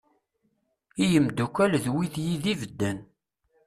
I yimddukal d wid yid-i bedden.